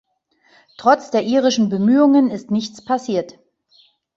Trotz der irischen Bemühungen ist nichts passiert.